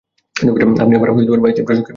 আপনি আমার ভাইস্তি প্রসঙ্গে জানিতে চাহিয়াছেন।